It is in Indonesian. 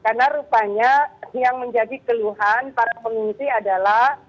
karena rupanya yang menjadi keluhan para pengisi adalah